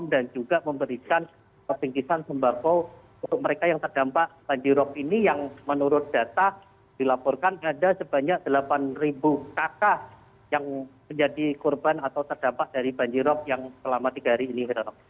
dan juga memberikan penginjilan sumbako untuk mereka yang terdampak banjirop ini yang menurut data dilaporkan ada sebanyak delapan kakak yang menjadi korban atau terdampak dari banjirop yang selama tiga hari ini